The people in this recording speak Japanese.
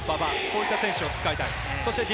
そういった選手を使いたい。